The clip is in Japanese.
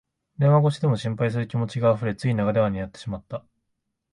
電話越しでも心配する気持ちがあふれ、つい長電話になってしまった